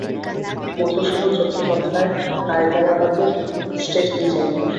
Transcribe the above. মধুসূদন চট্টোপাধ্যায় হায়দরাবাদের state engineer.